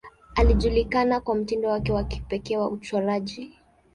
Alijulikana kwa mtindo wake wa kipekee wa uchoraji.